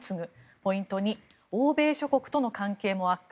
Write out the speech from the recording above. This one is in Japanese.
ポイント２欧米諸国との関係も悪化。